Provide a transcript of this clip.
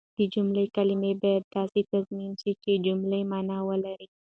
د جملې کلیمې باید داسي تنظیم سي، چي جمله مانا ولري.